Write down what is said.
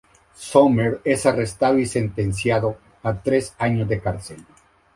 Sommer es arrestado y sentenciado a tres años de cárcel.